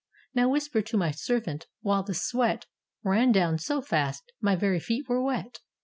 Now whisper to my servant, while the sweat Ran down so fast, my very feet were wet.